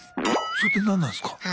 それって何なんすか？